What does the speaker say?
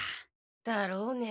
だろうね。